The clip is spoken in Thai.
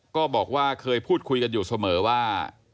ก็บอกว่าเคยพูดคุยกันอยู่เสมอว่า